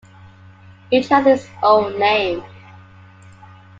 Each has its own name.